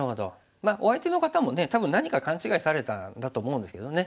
まあお相手の方もね多分何か勘違いされたんだと思うんですけどね。